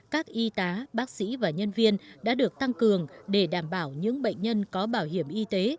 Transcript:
các y tá bác sĩ và nhân viên đã được tăng cường để đảm bảo những bệnh nhân có bảo hiểm y tế